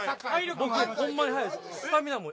僕ホンマに速いです